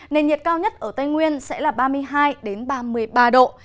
nền nhiệt cao nhất ở tây nguyên sẽ là ba mươi hai ba mươi ba độ